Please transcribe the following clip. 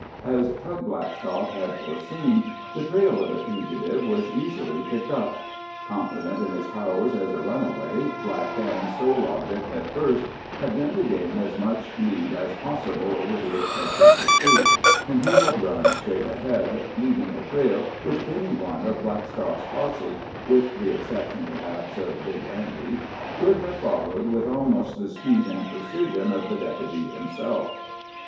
As Tug Blackstock had foreseen, the trail of the fugitive was easily picked up. Confident in his powers as a runaway, Black Dan's sole object, at first, had been to gain as much lead as possible over the expected pursuit, and he had run straight ahead, leaving a trail which any one of Blackstock's posse—with the exception, perhaps, of Big Andy—could have followed with almost the speed and precision of the Deputy himself.